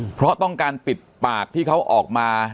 เพราะต้องการปิดปากที่เขาออกมา